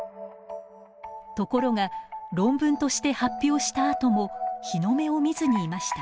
ところが論文として発表したあとも日の目を見ずにいました。